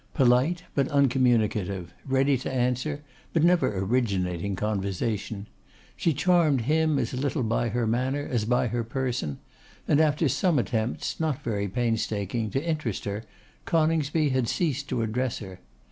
Polite, but uncommunicative; ready to answer, but never originating conversation; she charmed him as little by her manner as by her person; and after some attempts, not very painstaking, to interest her, Coningsby had ceased to address her.